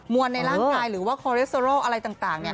วนในร่างกายหรือว่าคอเรสเตอรอลอะไรต่างเนี่ย